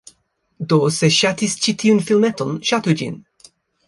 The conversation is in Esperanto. Do, se ŝatis ĉi tiun filmeton, ŝatu ĝin!